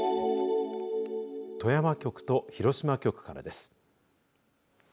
富山局と広島局からです。